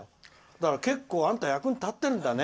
だから結構、あんた役に立ってるんだね。